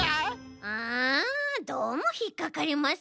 うんどうもひっかかりますね。